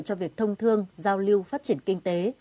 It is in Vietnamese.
cho việc thông thương giao lưu phát triển kinh tế